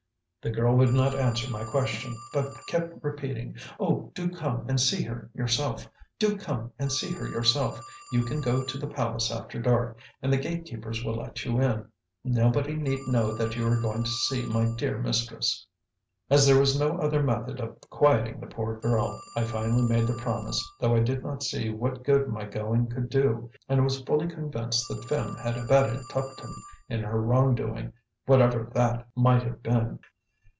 The girl would not answer my question, but kept repeating, "Oh! do come and see her yourself! Do come and see her yourself! You can go to the palace after dark, and the gate keepers will let you in. Nobody need know that you are going to see my dear mistress." As there was no other method of quieting the poor girl, I finally made the promise, though I did not see what good my going could do, and was fully convinced that Phim had abetted Tuptim in her wrong doing, whatever that might have been.